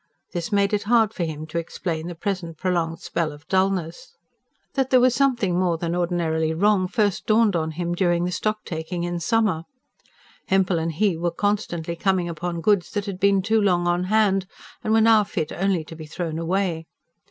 This made it hard for him to explain the present prolonged spell of dullness. That there was something more than ordinarily wrong first dawned on him during the stock taking in summer. Hempel and he were constantly coming upon goods that had been too long on hand, and were now fit only to be thrown away.